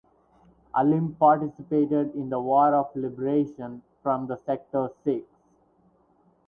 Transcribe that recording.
Alim participated in the war of liberation from the sector six.